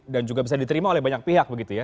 dan juga bisa diterima oleh banyak pihak begitu ya